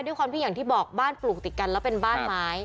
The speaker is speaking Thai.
ด้วยความที่อย่างที่บอกบ้านปลูกติดกันแล้วเป็นบ้านไม้